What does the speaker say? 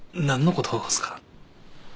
何のことっすか？